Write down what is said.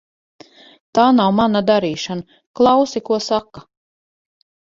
Tā nav mana darīšana. Klausi, ko saka.